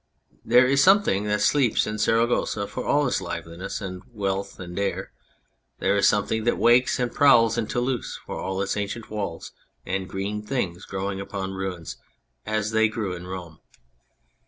There is some thing that sleeps in Saragossa for all its liveliness and wealth and air. There is something that wakes and prowls in Toulouse for all its ancient walls and green things growing upon ruins as they grew in Rome.